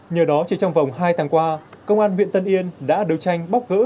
nhờ đó chỉ trong vòng hai tháng qua công an huyện tân yên đã đấu tranh bóc gỡ